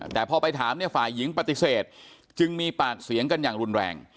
แต่พอไปถามเนี่ยฝ่ายหญิงปฏิเสธจึงมีปากเสียงกันอย่างรุนแรง